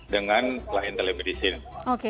dengan layanan telemedicine